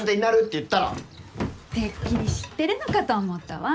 てっきり知ってるのかと思ったわ。